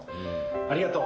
ありがとう！